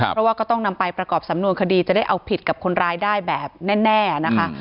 เพราะว่าก็ต้องนำไปประกอบสำนวนคดีจะได้เอาผิดกับคนร้ายได้แบบแน่นะคะ